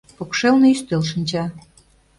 Покшелне ӱстел шинча.